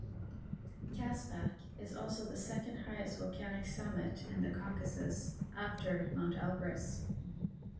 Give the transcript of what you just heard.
Kazbek is also the second-highest volcanic summit in the Caucasus, after Mount Elbrus.